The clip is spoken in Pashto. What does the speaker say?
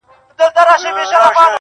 خوند حو ژوند هم چندان نه کوي، ځان ووژنم؟